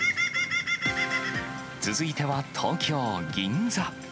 続いては東京・銀座。